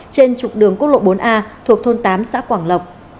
trên trục đường quốc lộ bốn a thuộc thôn tám xã quảng lộc